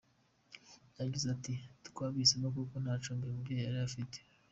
Yagize ati “ Twabihisemo kuko nta cumbi uyu mubyeyi yari afite.